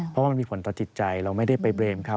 เพราะว่ามันมีผลต่อจิตใจเราไม่ได้ไปเบรมเขา